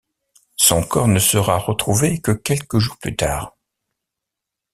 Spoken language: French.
Son corps ne sera retrouvé que quelques jours plus tard.